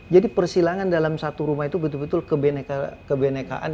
jadi persilangan dalam satu rumah itu betul betul kebenekaan